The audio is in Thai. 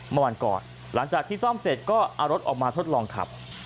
เมื่อวันก่อนหลังจากที่ซ่อมเสร็จก็เอารถออกมาทดลองขับ